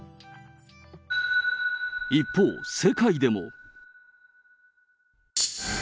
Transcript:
一方、世界でも。